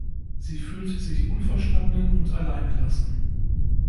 Sie fühlt sich unverstanden und allein gelassen.